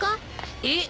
えっ？